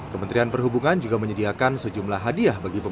kementerian perhubungan juga menyediakan sejumlah hadiah bagi pelayanan